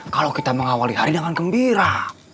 kalau kita mengawali hari dengan gembira